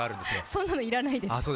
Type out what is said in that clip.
そんなの要らないです。